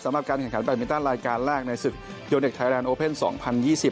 สำหรับการแข่งขันแบตเบนตันรายการแรกในศึกยนต์เด็กไทยแลนด์โอเป็นสองพันยี่สิบ